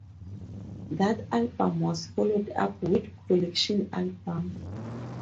That album was followed up with "collection" album.